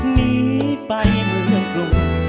หนีไปเมืองกรุง